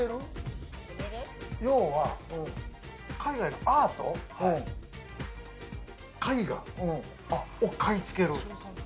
要は海外のアートを絵画を買い付ける。